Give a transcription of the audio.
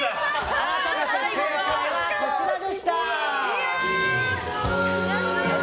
改めて正解はこちらでした。